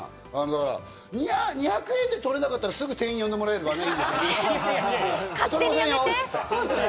２００円で取れなかったらすぐ店員呼んでもらえればいいですからね。